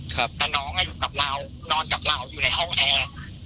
แต่น้องอยู่กับเรานอนกับเราอยู่ในห้องแอร์